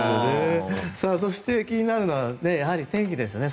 そして、気になるのは天気ですね。